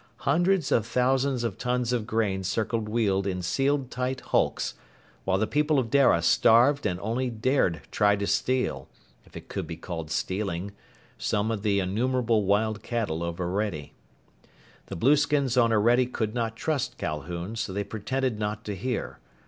Hundreds of thousands of tons of grain circled Weald in sealed tight hulks, while the people of Dara starved and only dared try to steal if it could be called stealing some of the innumerable wild cattle of Orede. The blueskins on Orede could not trust Calhoun, so they pretended not to hear.